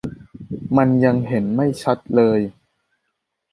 มันยังเห็นไม่ชัดเลย